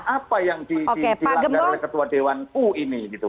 apa yang dilanggar oleh ketua dewan u ini gitu